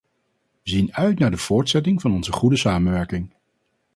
We zien uit naar de voortzetting van onze goede samenwerking.